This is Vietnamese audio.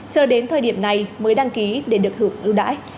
cho đến thời điểm này mới đăng ký để được hưởng ưu đãi